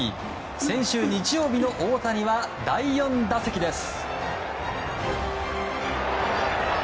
先週日曜日の大谷は第４打席です。